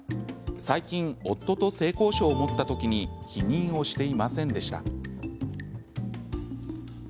最近、夫と性交渉を持った時に避妊をしていませんでした。